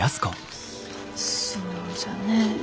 そうじゃね。